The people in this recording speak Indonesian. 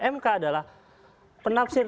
mk adalah penafsir